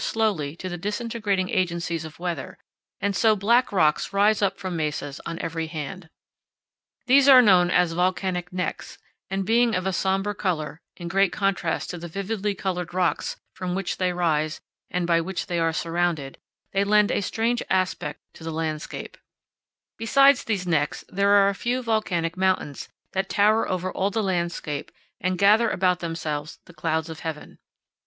slowly to the disintegrating agencies of weather, and so black rocks rise up from mesas on every hand. These are known as volcanic necks, and, being of a somber color, in great contrast with the vividly colored rocks from which they rise and by which they are surrounded, they 48 powell canyons 25.jpg PANORAMA FROM THE EDGE OF MOUNT TAYLOR MESA. MESAS AND BUTTES. 49 lend a strange aspect to the landscape. Besides these necks, there are a few volcanic mountains that tower over all the landscape and gather about themselves the clouds of heaven.